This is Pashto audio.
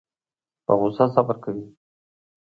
په غوسه صبر کوي.